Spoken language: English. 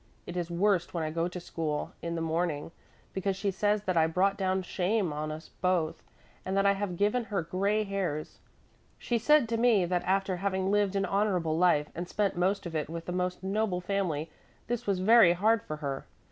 It is worst when I go to school in the morning, because she says that I brought down shame on us both, and that I have given her gray hairs. She said to me that after having lived an honorable life and spent most of it with the most noble family, this was very hard for her.